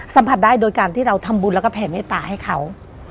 สัมผัสได้โดยการที่เราทำบุญแล้วก็แผ่เมตตาให้เขา